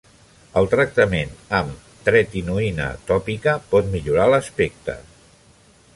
El tractament amb tretinoina tòpica pot millorar l'aspecte.